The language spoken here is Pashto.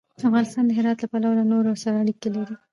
افغانستان د هرات له پلوه له نورو سره اړیکې لري.